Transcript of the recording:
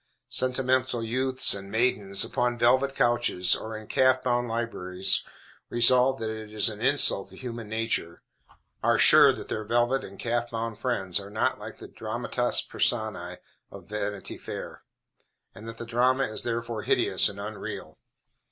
Sentimental youths and maidens, upon velvet sofas, or in calf bound libraries, resolve that it is an insult to human nature are sure that their velvet and calf bound friends are not like the dramatis personæ of Vanity Fair, and that the drama is therefore hideous and unreal.